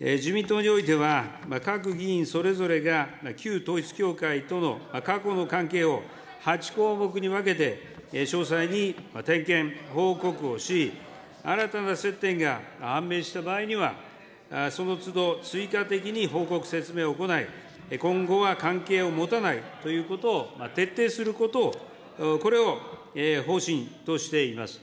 自民党においては、各議員それぞれが旧統一教会との過去の関係を８項目に分けて、詳細に点検、報告をし、新たな接点が判明した場合には、そのつど、追加的に報告、説明を行い、今後は関係を持たないということを徹底することを、これを方針としています。